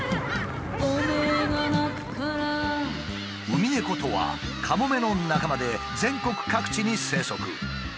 ウミネコとはカモメの仲間で全国各地に生息。